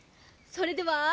それでは。